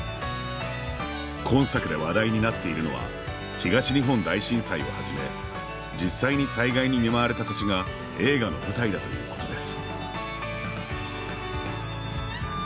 今作で、話題になっているのは東日本大震災をはじめ実際に災害に見舞われた土地が映画の舞台だということです。